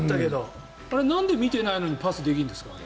なんで見てないのにパスできるんですかね？